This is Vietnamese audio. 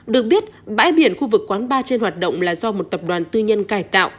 được biết bãi biển khu vực quán bar trên hoạt động là do một tập đoàn tư nhân cải tạo